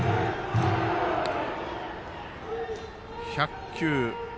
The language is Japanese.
１００球。